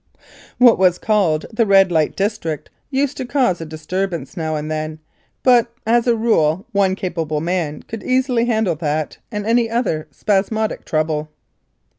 What was called "The Red Light District" used to cause a disturbance now and then, but, as a rule, one capable man could easily handle that and any other spasmodic trouble.